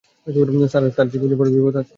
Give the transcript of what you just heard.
Sir, তার জীবন বিপদে আছে!